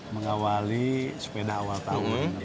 mengawali sepeda awal tahun